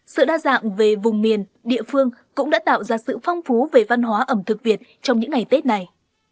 sự đa dạng về vùng miền địa phương cũng đã tạo ra sự phong phú về văn hóa ẩm thực việt trong những ngày tết này